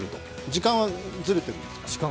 時間はずれてるんですか。